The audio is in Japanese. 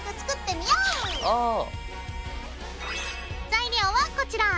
材料はこちら！